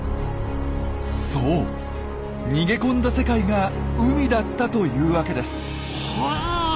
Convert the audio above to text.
そう逃げ込んだ世界が海だったというわけです。はあ！